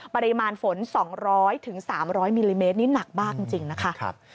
ปริมาณฝน๒๐๐๓๐๐มิลลิเมตรนี่หนักมากจริงนะคะ